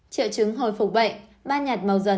triệu chứng hồi phục bệnh ban nhạt màu dần